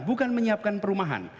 bukan menyiapkan perumahan